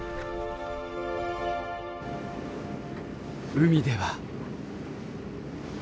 海では。